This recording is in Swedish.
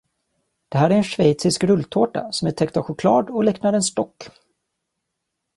Det här är en schweizisk rulltårta som är täckt av choklad och liknar en stock.